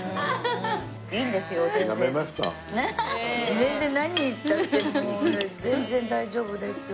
全然何言ったって全然大丈夫ですよ